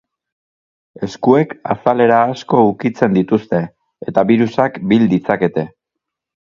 Eskuek azalera asko ukitzen dituzte, eta birusak bil ditzakete.